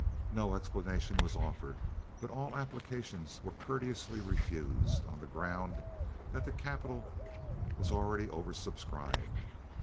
No explanation was offered, but all applications were courteously refused, on the ground that the capital was already over subscribed.